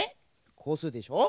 こうするでしょ。